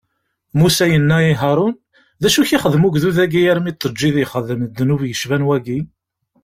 Musa yenna i Haṛun: D acu i k-ixdem ugdud-agi armi i t-teǧǧiḍ ixdem ddnub yecban wagi?